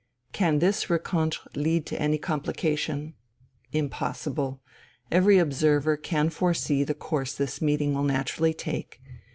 Can this rencontre lead to any complication? Impossible. Every observer can foresee the course this meeting will naturally take.